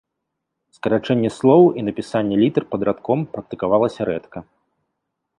Скарачэнне слоў і напісанне літар пад радком практыкавалася рэдка.